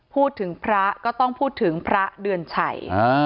พูดถึงพระก็ต้องพูดถึงพระเดือนชัย